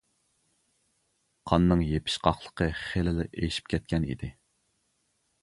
قاننىڭ يېپىشقاقلىقى خىلىلا ئېشىپ كەتكەن ئىدى!